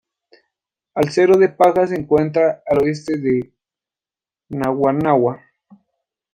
El Cerro de Paja se encuentra al oeste de Naguanagua.